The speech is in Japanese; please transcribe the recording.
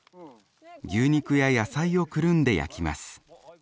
牛肉や野菜をくるんで焼きます。